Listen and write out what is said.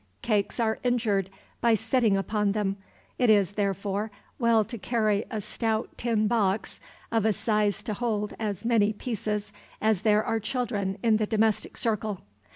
Cakes are injured by sitting upon them; it is, therefore, well to carry a stout tin box of a size to hold as many pieces as there are children in the domestic circle.